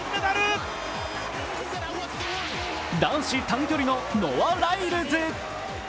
男子短距離のノア・ライルズ。